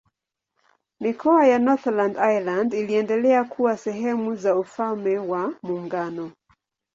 Mikoa ya Northern Ireland iliendelea kuwa sehemu za Ufalme wa Muungano.